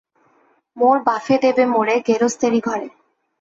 মোর বাফে দেবে মোরে গেরস্তেরি ঘরে।